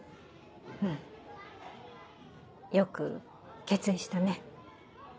うんよく決意したね。